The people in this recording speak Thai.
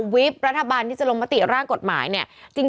วิบรัฐบาลที่จะลงมติร่างกฎหมายเนี่ย